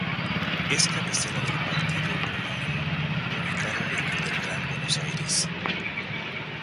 Es cabecera del partido homónimo, ubicado dentro del Gran Buenos Aires.